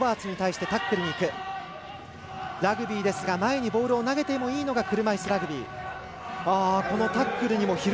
ラグビーですが前にボールを投げていいのが車いすラグビー。